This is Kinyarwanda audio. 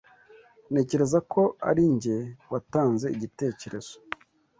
Ntekereza ko ari njye watanze igitekerezo.